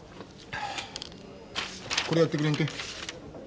これやってくれんけ。